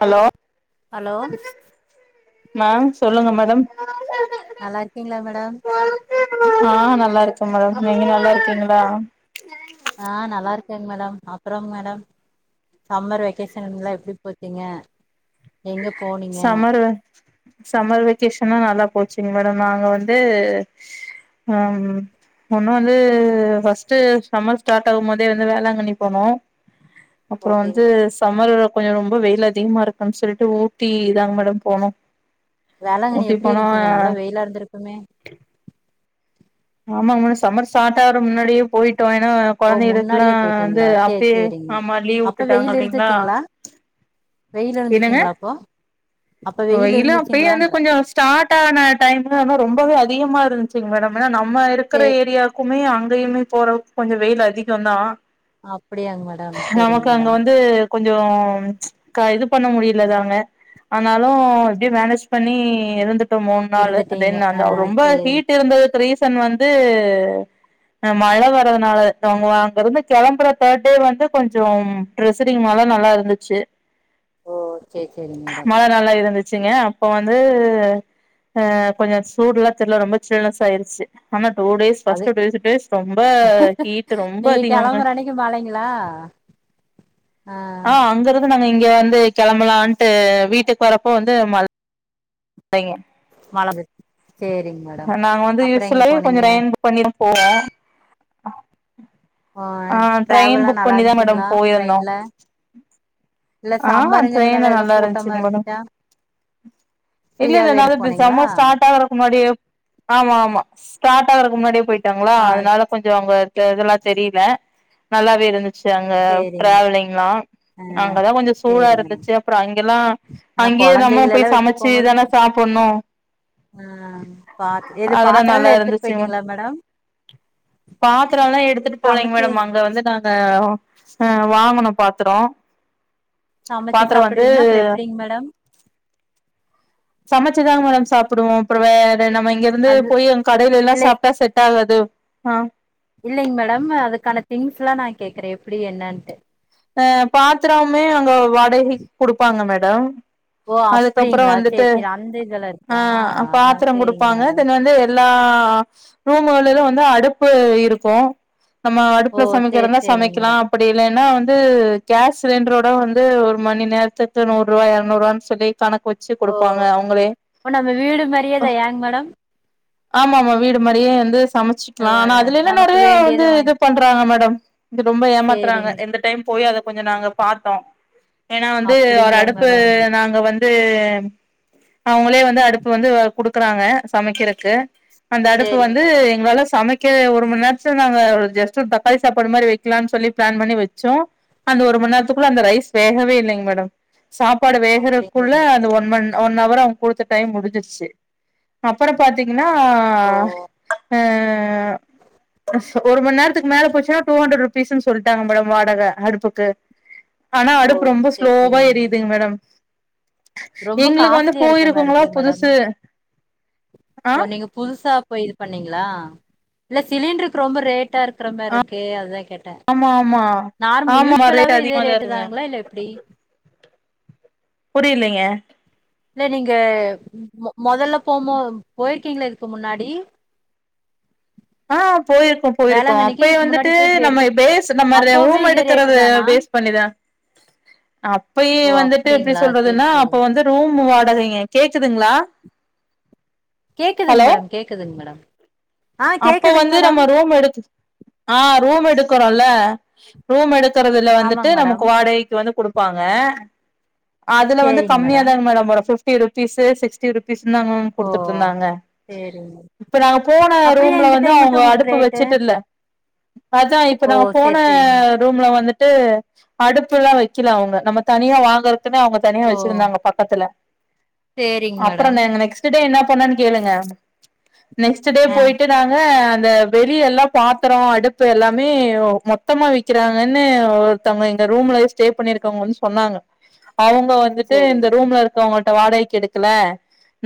hello hello நா சொல்லுங்க madam நல்லா இருக்கீங்களா மேடம் ஆ நல்லா இருக்கோ மேடம் நீங்க நல்லா இருக்கீங்களா ஆஹ் நல்லா இருக் செரி மேடம் அப்பறம் மேடம் சம்மர் வெகேஷன்ல எப்டி போச்சீங்க எங்க போனீங்க சம்மர் சம்மர் வெகேஷன்லாம் நல்லா போச்சுங்க மேடம் நாங்க வந்து ஹம் ஒன்னும் வந்து ஃஸ்ட்டு சம்மர் ஸ்டார்ட் ஆகும் போது வந்து வேளாங்கண்ணி போனோ அப்பறோ ஓகேங்க வந்து மேடம் சமர் கொஞ்சோ ரொம்ப வேயில் அதிகமா இருக்குன்னு சொல்லிட்டு ஊட்டி தாங்க மேடம் போனு வேளாங்கன்னி எப்டி இருந்துச்சிங்க நல்லா வெயிலா இருந்திருக்குமே ஆமான சமர் சாட்டார முன்னாடியே போயிட்டு ஓ கொழந்தைகளுக்குல்லா முன்னாடியே வந்து போயிட்டீங்களா சேரி அப்பே சேரிங்க ஆமா லீவு அப்ப விட்டுட்டாங்க வெயில் அப்பங்களா இருந்துச்சுங்களா வெயில் என்னங்க இருந்துச்சுங்களா அப்போ அப்ப வ வெயில் [unintelligible] இருந்துச்சுங்களான்ற கொஞ்சோ ஸடார்ட் ஆன டைம் ரொம்பவே அதிகமா இரு சேரிங்க மேடம் [unintelligible] நம்மா இருக்க சே ஏரியா மே அங்கேயுமே போறக்கு கொஞ்சம் வேயலை அதிகம தான் அப்படியாங்க மேடம் சரிங்க மேடம் கொஞ்சம் இது பண்ண முடியல தாங்க ஆனாலும் இப்படியே மேனேஜ் பண்ணி இருந்து மூணு நாள்ு இருந்துட்டீங்க தென் ஆ அந்த ரொம்ப சேரி ஹீட் இருந்தது ரீசன் வந்து மழை வர்ரதுனால அவங்க அங்க இருந்து கிளம்புற தேர்ட் டே வந்து கொஞ்சம் டெஸரிங் மழை நல்லா இருந்துச்சு ஓ சேரி சேரிங்க மேடம் மழை நல்லா இருந்துச்சுங்க அப்போ வந்து ஆ கொஞ்சம் சூடுல்லாம் தெருல ரொம்ப சில்னெஸ் ஆயிடுச்சு ஆனா டூ டேஸ் அது ஃபர்ஸ்ட் டூ டேஸ் ரொம்ப ஹீட் ரொம்ப நீங்க அதிகங்க கெளம்புற அன்னைக்கு மழைங்களா ஆ அங்கறது நாங்க இங்க வந்து கிளம்பலான்ட்டு வீட்டுக்கு வரப்போ வந்து மழ சேரிங்க மேடம் நாங்க வந்து அப்புறம் எங்க யூஸ்ல்ல போனீங்க கொஞ்சம் பண்ணம் போ ஆ டிராவல்லாம் நல்லா பண்ணிதா இருந்துச்சிங்களா மேடம் போயிருந்தோ ட்ரெயின்ல இல்ல ஆ ட்ரெயின்ல சம்மருங்கறனால ஏதோ நல்லா கூட்டமா இருந்துச்சுங்க மேடம் இருந்துச்சா இல்ல ஃப்ரீயா இல்ல வேற நால போனீங்களா பிசாம ஸ்டார்ட் ஆகுறக்கு முன்னடிய ஆமா ஆமா ஸார்ட் ஆகற முன்னாடி போயிட்டு இருக்காங்களா ஆ அதனால கொஞ்சம் அங்க அதெல்லாம் தெரியல நல்லாவே இருந்துச்சு அங்க சேரிங்க டிராவலிங்லாம் அங்கதான் கொஞ்சம் சூடா சேரிங்க மேடம் இருந்துச்சு அப்புறம் அங்கல்லாம் ஆனா அங்கயே நம்ம கொழந்தைகள எல்லா போய் வச்சு சமைச்ச போம்போது சரிதானா சாப்பிடணும் ஆ பாத்து இது அதெல்லாம் பாத்திர நல்லா எல்லா எடுத்துட்டு இருந்துச்சு போயிட்டீங்களா மேடம் பாத்திரம்ல்லாம் எடுத்துட்டு போலங்க சமைச்சு மேடம் அங்க வந்து நாங்க ஆ வாங்கணும் பாத்துிரோம் சமச்சி சாப்பிடுவீங்கன்னா அப்புறம் எப்படிங்க மேடம் சமைச்சு தாங்க மேடம் சாப்பிடுவோம் அப்பறம் வே ற நம்ம இங்க இருந்து அது போய் கடைலயெல்லாம் இல்லை சாப்ட்டா செட் ஆகாது ஆ இல்லைங்க மேடம் அதுக்கான திங்ஸ் எல்லாம் நான் கேக்றேன் எப்படி என்னான்ட்டு அ பாத்திரமே ஹலோ ஓ அப்படிங்களா சேரி சேரி அந்த இதுல ஆ இருக்கா பாத்திரோ சேரிங்க குடுப்பாங்க மேடம் தென் வந்து எல்லா ரூமுகளிலும் வந்து அடுப்பு இருக்கும் நாம ஓ அடுப்பல சேரி சமைக்கிறதா சேரிங்க மேடம் சமைக்கலாம் அப்படி இல்ல என்ன ஒன் ந்து கேஸ் சிலிண்டரோட வந்து ஒரு மணி நேரத்துக்கு நூறு ரூபாய் இரநூறு ரூவனு சொல்லி கணக்கு வச்சு ஓ குடுப்பாங்க அவங்களே அப்ப நம்ம வீடு மாரியே தான் ஏங் மேடம் ஆமா ஆமா வீடு மாரியே வந்து சமச்சுக்லா ஆனா அதுலயெல்லா நமக்கு நெறய வந்து வேண்டியது இது வாங்கி பண்றாங்க மேடம் இது ரொம்ப ஏமாத்துறாங்க சேரிங்க எந்த டைம் போய் அத கொஞ்சோ நாங்க பாத்தோ ஏன்னா வந்து ஒரு அப்டிங்களா அடுப்பு மேடம் நாங்க வந் து ம் அவுங்களே வந்து அடுப்பு வந்து குடுக்குறாங்க சமைக்கிறக்கு அந்த அடுப்பு சேரிங்க வந்து மேடம் எங்ளால சமைக் கே ஒரு மண் நேர்த்துல நாங்க ஒரு ஜஸ்ட்டு ஒரு தக்காளி சாப்பாடு மாரி வெக்லா சொல்லி பிளான் பண்ணி வெச்சோ அந்த ஒரு மண் நேர்த்துக்குள்ள அந்த ரைஸ் வேகவே இல்லைங் மேடம் சாப்பாடு அப்டிங்களா வேகறக்குள்ள மேடம் அந்த ஒன் மண் ஒன் அவர் அவுங் குடுத்த டைம் முடிஞ்சிருச்சு அப்பறோ பாத்தீங்ன் னா அ ஓ அ அ ஒரு மண் நேரத்துக்கு மேல போச்சுன்னா டூ ஹண்ட்ரட் ருபீஸ்ன்னு சொல்ட்டாங்க போல வாடக அடுப்புக்கு ஆனா ஓ அடுப்பு ரொம்ப சேரி ஸ்லோவா சேரிங்க எரியுதுங் மேடம் ரொம்ப எங்களுக்கு வந்து காஸ்ட்லியா இருக்க மாரி போயிருக்குங்களா இருக்கு மேடம் புதுசு ஆ ஓ நீங்க புதுசா போய் இது பண்ணீங்களா இல்ல சிலிண்ட்ருக்கு ரொம்ப ரேட் ட இருக்கற மாரி இருக்கே அதா கேட்டே ஆமா ஆமா நார் ஆமாமா ரேட் யூஸ்வலாவே இதே அதிகமாதா ரேட்டு இருக்குங்க தான்ங்களா இல்ல எப்புடி புரியலைங்க இல்ல நீங்க மொதல்ல போமோ போயிருக்கீங்கள இதுக்கு முன்னாடி ஆஹ் போயிருக்கோ போயிருக்கோ வேளாங்கண்ணிக்கு அப்பயே இதுக்கு முன்னாடி வந்துட்டு போய் இப்டி நம்ம எடுத்து பேஸ் நம்ம அப்பவுமே ரூம் இதே ரேட்டு எடுக்கறத தானா பேஸ் பண்ணிதா அப்பயே ஓ வந்துட்டு எப்படி அப்டிங்களா சேரி சொல்றதுன்னா சேரி அப்ப வந்து ரூம் வா டாதீங்க கேக்குதுங்களா கேக்குதுங் ஹலோ மேடம் கேக்குதுங் மேடம் ஆ அப்ப கேக்குதுங்க வந்து மேடம் நம்ம ரூம் எடுத் ஆ ரூம் எடு க்ரோல்ல ரூம் எடுத் கிறதுல வந்துட்டு ஆமாங்க மேடம் நமக்கு வாடகைக்கு வந்து கொடு ப்பாங்க அதுல வந்து கம்மியா தாங் மேடம் வரும் ஃபிப் ருபீஸ் சிக்ஸ்ட்டி ரு ஸ்ந்தாங் மேம் ஓ குடுத்துட்டு இருந்தாங்க சேரிங்க இப்ப நாங்க போன அப்றோ ஏ ரூம்ல இந்த வந்து டைம் அவுங்க மட்டு உங்களுக்கு அடுப்பு ரேட்டு வச்சுட்டு இல்ல அதா இப்ப ஓ நாங்க போன சேரி சேரிங்க ரூம்ல வந்துட்டு அடுப்பு எல்லா வெக்கல அவங்க நம்ம தனியா வாங்கற இப்பமே அவுங்க தனியா ஓ வச்சிருந்தாங்க பக்கத்துல சேரிங்க அப்புற மேடம் நாங்க நெக்ஸ்ட் டே என்ன பன்னன் கேளுங்க நெக்ஸ்ட் டே ஆ போயிட் ங்க அந்த வெளிய எல்லா பாத்ரோ அடுப்பு எல்லாமே மொத்தமா விக்கிறாங்கன்னு ஒருத்தவுங்க எங்க ரூம்ல ஸ்டே பண்ணிருக்கவுங்க வந்து சொன்னாங்க அவுங்க வந்துட்டு இந்த சேரிங்க மேடம் ரூம்ல இருக்கவுங்க மட் வாடகைக்கு எடுக்கல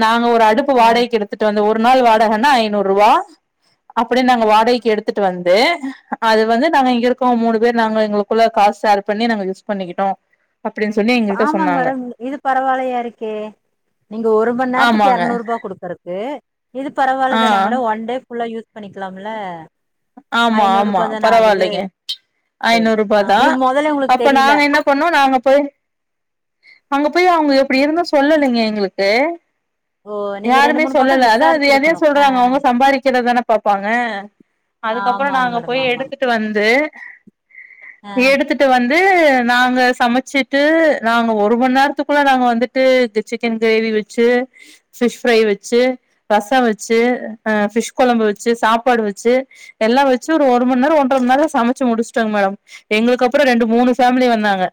நாங்க ஒரு அடுப்பு ஆ வாடகைக்கு எடுத்துட்டு வந்து ஒரு நாள் வாடகைன்னா ஐநூறுபா அப்படின்னு நாங்க வாடகைக்கு எடுத்துட்டு வந்து அது வந்து நாங்க இங்க இருக்கோ மூணு பேரு நாங்க எங்களுக்குள்ள காசு சேர் பண்ணி நாங்க யூஸ் பண்ணிக்கிட்டோ அப்டின்னு சொல்லி எங்கள்ட்ட ஆமாங்க சொன்னாங்க மேடம் இது பரவாயில்லையா இருக்கே நீங்க ஒரு மண்நேரதுக்கு ஆமாங்க எரநூறுபா குடுக்குறக்கு இது பரவால ஆ தானுங்க மேடோ ஒன் டே ஃபுல் நல்லா யூஸ் பண்ணிக்கலாம்ல ஆமா ஆமா ஐநூறுபா தான ஆகுது பரவாயில்லைங்க ஆ ஐநூறுபாதா இது மொதல்ல உங்களுக்கு அப்ப தெரில நாங்க என்ன பண்ணோ நாங்க போய் அங்க போய் அவுங்க எப்டி இருந்தோ சொல்லலைங்க எங்குளுக்கு ஓ நீங்க ரெண்டு யாருமே மூணு பக்கோ சொல்லல அதா அது எதையு விசாரிச்சிருக்கணு ஆ சொல்றாங்க அவுங்க சம்பாதிக்கிறதானே பாப்பாங்க அதுக்கப்புறோ ஆமாங்க நாங்க மேடம் போய் ஆமாங்க எடுத்துட்டு வந்து ஆ து எடுத்துட்டு வந் வந்து நாங்க சமைச்சிட்டு நாங்க ஒரு மணி நேரத்துக்குள்ள நாங்க வந்துட்டு சிக்கன் கிரேவி வெச்சு ஃபிஷ் ஃரை வெச்சு ரசோ வெச்சு அ ஃபிஷ் கொழம்பு வெச்சு சாப்பாடு வெச்சு எல்லாம் வெச்சு ஒரு மண்நேரோ ஒன்றரை மண்நேரோ சமைச்சு முடிச்சுட்டோங்க மேடம் எங்குளுக்கு அப்புறோ ரண்டு மூணு ஃபேமிலி வந்தாங்க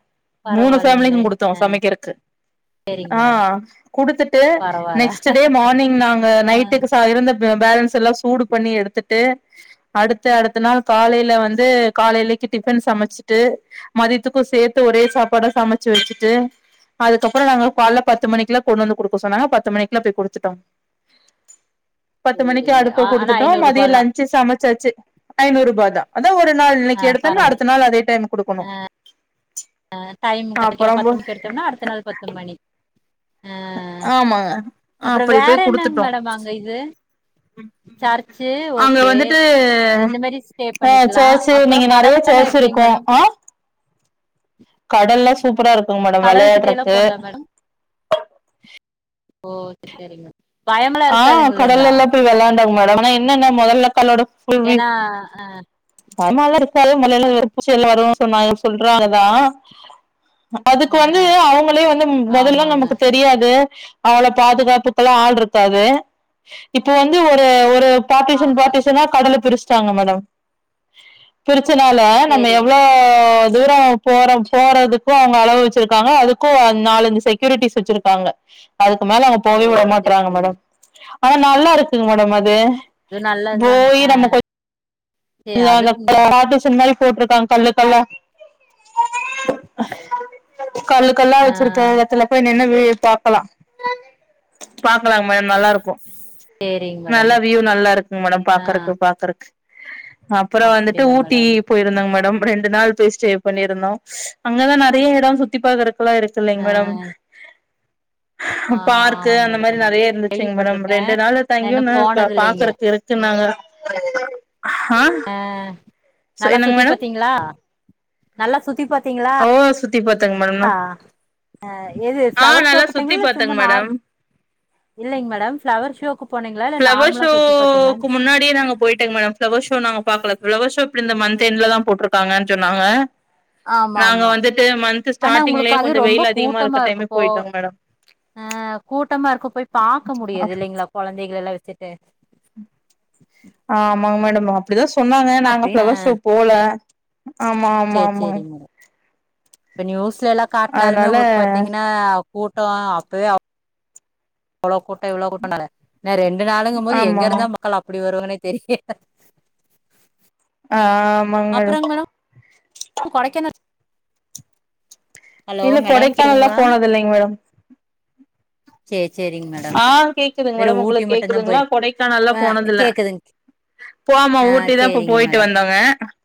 மூணு பரவாயில்லைங்களே ஃபேமலிக்கோ குடுத்தோம் ஆ சமைக்கிறதுக்கு சேரிங்க ஆ மேடம் குடுத்துட்டு பரவால்ல நெக்ஸ்ட்டு டே மார்னிங் நாங்க ஆ நைட்டுக்கு இருந்த பேலன்ஸ்லா சூடு பண்ணி எடுத்துட்டு அடுத்த அடுத்த நாள் காலைல வந்து காலைலக்கி டிஃபன் சமச்சிட்டு மதியத்துக்கோ சேத்து ஒரே சாப்பாட சமைச்சு வெச்சுட்டு அதுக்கப்புறோ நாங்க காலைல பத்து மணிக்குலா கொண்டு வந்து குடுக்க சொன்னாங்க பத்து மணிக்குலா போய் குடுத்துட்டோ பத்து மணிக்கு சேரிங்க அடுப்பு ஆ ஆனா குடுத்துட்டோ ஐநூறு ரூபா மதியோ தா லஞ்சு சமச் சாச்சு ஐநூறுபாதா ஒரு நாள் ஆ இன்னைக்கு எடுத்தேன்ன அடுத்த நாள் அதே டைமு குடுக்கணோ ஆ டைம் கற்டா பத்து மணிக்கு எடுத்தோம்னா அடுத்த நாள் பத்து மணி ஆ ஆமாங்க அப்புறோ அப்டி வேற போய் என்னங்க குடுத்துட்டோ மேடம் அங்க இது சர்ச்சு அங்க ஓகே வந்துட்டு இந்த மேரி ஸ்டே ஆ பண்ணிக்லா சர்ச்சு அப்றோ நீங்க நெறைய கடலால்லா சர்ச் எப்டிங்க இருக்கு மேடம் ஆ கடல்லா சூப்பரா இருக் மேடம் கடல் கிட்ட எல்லா வெளையாடறது போனீங்களா மேடம் ஓ சரிங்க ஆ கடல்லல்லா போய் வெளாண்டாங் மே அங்கெல்லா என்னன்னா முதல்ல கல்லோடு ஏனா அ பாமால இருக்கால மலையில வெரு பூச்சிலா வரும்னு சொன்னாங்கனு சொல்றாங்கதா அதுக்கு வந்து அவுங்களே வந்து மொதல்ல ஆமாங்க நமக்கு தெரியாது அவள பாதுகாப்புக்கலா ஆள் ருக் காது இப்ப வந்து ஒரு ஒரு பாட்டிஷன் ஆமாங்க பாட்டிஷனா கடல பிரிச் டாங்க மேடம் பிரிச்சனால நம்ம சேரிங்க எவ்ளோ தூரோ போற போறதுக்கூ அவுங்க அளவு வச்சிர்க்காங்க அதுக்கூ நாலஞ்சு செக்யூரிட்டீஸ் வச்சிர்க்காங்க அது மேல அங்க ஓ போவே உட சேரி மாட்றாங்க சேரிங்க மேடம் ஆனா நல்லாருக்குங் மேடம் அது அது நல்லதாங்க ட்டு அத பாட்டிஷன் மாறி போட்ருக்காங்க கல்லு கல்லா கல்லு கல்லா ஆ வச்சிருக்க எட்த்துல போய் நின்னு ம் பாக்கலா பாக் லாங் மேடம் நல்லா இருக்கூ சேரிங்க மேடம் நல்லா வியூ நல்லா இருக்குங் மேடம் ஆ பாக்கறக்கு பாக்கறக்கு ஓ அப்றோ வந்துட்டு அப்டிங்களா ஊட்டி மேடம் போய்ருந்தங்க மேடம் ரெண்டு நாள் போய் ஸ்டே பண்ணிருந்தோ அங்கதா நெறய எடோ சுத்தி பாக்குறக் குள்ள இருக்குலைங் ஆ மேடம் பார்க்கு ஆமாங்க அந்த மேடம் மாறி ஆமாங்க நெறைய மேடம் இருந்துச்சுங் மேடம் கேள்விப்பட்டிருக்கே ரெண்டு நாள் நா தங்கியு இன்னு போனது இல்லைங்க பாக்குறக் இருக்கு நாங்க அ நல்லா சுத்தி மேடம் பாத்தீங்ளா நல்லா சுத் சுத்தி பாரு பாத்திங்களா ஓ சுத்தி பாத்தங்க மேடம் எது ஆ ஃப்ளவர் நல்லா ஷோக்கு சுத்தி போனீங்களா இல்ல சும்மா பாத்தங்க நார் மேடம் இல்லைங்க மேடம் ஃப்ளவர் ஷோக்கு போனீங்களா இல்ல ஃபளவர் நார்மலா சுத்தி ஷோக்கு பாத்தீங்களான்னு முன்னாடியே நாங்க போயிட்டோங்க மேடம் பிளவர் ஷோ நாங்க பாக்கல பிளவர்ஷோ இப்டி இந்த மந்த் எண்ட்ல தான் போட்டிருக்காங்கன்னு சொன்னாங்க ஆமா நாங்க ஆமா வந்துட்டு மந்த் ஆனா உங்களுக்கு ஸ்டார்டிங்லயே அது கொஞ்சோ ரொம்ப வெயில் அதிகமா கூட்டமா இருக்க டைமே இருக்குப்போ போயிட்டோங்க மேடம் ஆஹ் கூட்டமா இருக்க போய் பாக்க முடியது இல்லைங்களா குழந்தைகள் எல்லாம் வச்சுட்டு உம் [inaudible] ஆஹ் ஆமாங்க மேடம் அப்படிதான் சோ சொன்னாங்க நாங்க அப்டின்னு ஃபளவர் ஷோக்கு போல ஆமா ஆமா சேரி சேரி ஆமாங்க மேடம் இப்ப நியூஸ்ல எல்லா காட்னாலுமே அதனால உங்களுக்கு பாத்தீங்கன்னா சப்போட்டா அப்பவே அப் அவ்ளோ கூட்டா இவ்வளோ கூட்டம்னாலே நா ரெண்டு நாளுங்கும் போது எங்க ஆமா இருந்தாலும் மக்களா ஆப் அப்படி வருவன்னே தெரியல ஆ ஆமாங் மேடம் கொடைக்கானல் ஹலோ இல்ல மேடம் கொடைக்கானல் எல்லாம் கேக்குதுங்களா போனது இல்லைங்க மேடம் சேரி சேரிங்க மேடம் ஆ கேக்குதுங்க வெறு மேடம் ஊட்டி உங்களுக்கு மட்டும்தான் கேக்குதுங்களா போயிரு கொடைக்கானல் எல்லாம் ஆ போனதுல கேக்குதுங் போமோ ஆ ஊட்டி தான் இப்ப சேரிங்க போயிட்டு மேடம் வந்தோங்க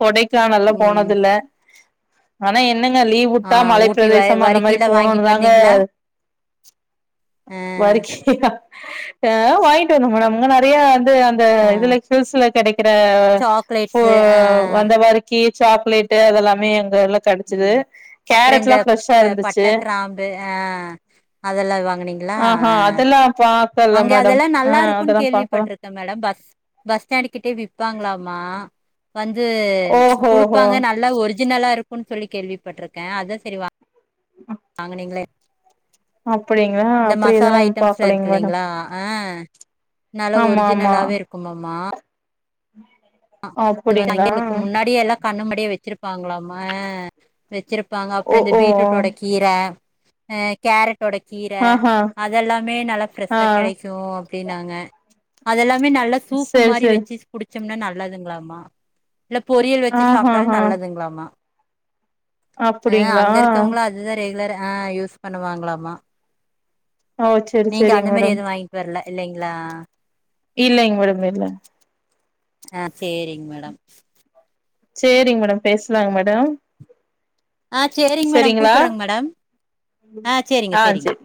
கொடைக்காநல்லா ம் போனதுல ஆன இப் என்னங்க ஆ லீவ்வுட்டா மலை ஊட்டி வ பிரதேசம் அந்த மாதிரி வரிக்கிலா போணுமுன்னு வாங்கிட்டு தாங்க வந்தீங்களா ஆ வர்க்கியா ஆ வாங்கிட்டு வந்த மேடம் ரொம்பநிறையா வந்து அந்த ஆ இதுல ஹில்ஸ்ல கிடைக்கும் இருக்கிற போ சாக்லேட்ஸு ஆ வந்த வரைக்கு சாக்லேடு அதெல்லாமே எல்லா கெடச்சது ம் அப்புறங்க கேரட்லா ஃப்ரெஷ்ஷா இந்த பட்ட இருந்துச்சு கிராம்பு ஆ அதெல்லாம் வாங்கனீங்களா ஆஹ்ஹ அதெல்லாம்ப்பா அங்க அதெல்லாம் நல்லா இருக்கும்ன்னு கேள்விப்பட்டிருக்கேன் மேடம் பஸ் பஸ் ஸ்டாண்டு கிட்டே விப்பாங்களாமா வந்து ஓஹோஹோ குடுப்பாங்க நல்லா ஒரிஜினலா இருக்கும் குன் சொல்லி கேள்விப்பட்ருக்க அதா செரி வா வாங்கனீங்களே அப்படிங்களா அப்படி எதுவு பாக்கலீங் கிள்ளைங்களா அஹ் நல்லா ஆமா ஆமா ஒரிஜினலாவே இருக்குமாமா அ [inaudible] அப்டிங்களா களுக்கு முன்னாடியே எல்லாம் கண்ணுமுன்னாடி வெச்சிருப்பாங்களா ம அ வெச்சிருப் பாங்க அப்ற ஓ இந்த ஓ பீட்ரூட்டோட கீர அஹ் கேரட் டோட கீர ஆஹா அதெல்லாமே நல்லா ஆ ஃப்ரெஷ்ஷா கெடைக்கு அப்டின்னாங்க அதெல்லாம் மே நல்லா சூப்பு சேரி மாரி சேரி வெச்சு ஸ் குடு ஜம்ன நா இல்லாதுங்களாமா இல்ல பொரியல் வச்சு சாப்பிட்டால் ஆஹாஹா நல்லதுங்ளாமா அஹ் அப்டிங்களா அங்க இருக்கவுங்ள அதுதா ரெகுலர ஆஹ் யூஸ் பண்ணுவாங்களாமா ஓ ச்சரி நீங்க ச்சரிங்க அந்த மாரி மேடம் எதுவு வாங்கிட்டு வரல இல்லைங்களா இல்லைங்க மேடம் இல்ல ஆஹ் சேரிங்க மேடம் சேரிங்க மேடம் பேஸ்லாங்க மேடம் ஆஹ் சேரிங்க மேடம் செரிங்களா கூப்பறங்க மேடம் ஆஹ் சேரிங்க ஆ செரிங்க செரி